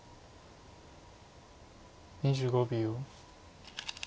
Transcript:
２５秒。